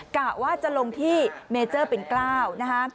กะว่าจะลงที่เมเจอร์เป็น๙นะฮะ